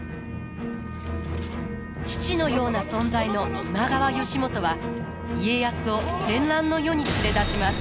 父のような存在の今川義元は家康を戦乱の世に連れ出します。